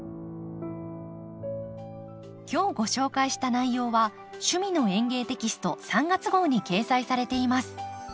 今日ご紹介した内容は「趣味の園芸」テキスト３月号に掲載されています。